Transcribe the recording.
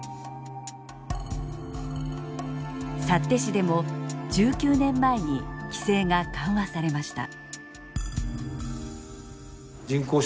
幸手市でも１９年前に規制が緩和されました。